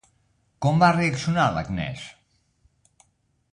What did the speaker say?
Com va reaccionar l'Agnès?